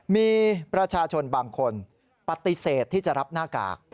มีประชาชนบางคนปฏิเสธที่จะรับหน้ากาก